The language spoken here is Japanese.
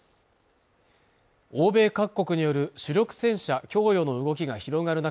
欧米各国による主力戦車供与の動きが広がる中